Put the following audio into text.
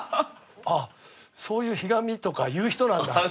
あっそういうひがみとか言う人なんだ。